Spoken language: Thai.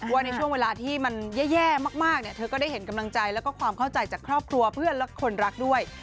ว่าในช่วงเวลาที่มันแย่มากเนี่ยเธอก็ได้เห็นกำลังใจแล้วก็ความเข้าใจจากครอบครัวเพื่อนและคนรักด้วย